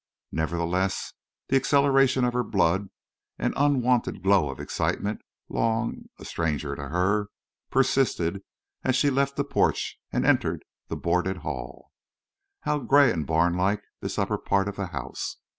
Nevertheless, the acceleration of her blood and an unwonted glow of excitement, long a stranger to her, persisted as she left the porch and entered the boarded hall. How gray and barn like this upper part of the house!